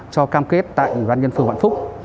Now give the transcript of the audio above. cho cam kết tại ủy ban nhân phường vạn phúc